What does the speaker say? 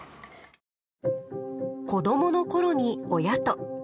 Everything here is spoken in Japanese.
子どものころに親と。